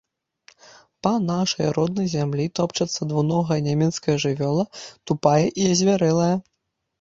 Па нашай роднай зямлі топчацца двуногая нямецкая жывёла, тупая і азвярэлая.